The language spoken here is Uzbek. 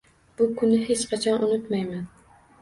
Bu kunni hech qachon unutmayman.